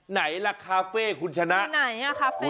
ไหนล่ะคาเฟ่คุณชนะไหนอ่ะคาเฟ่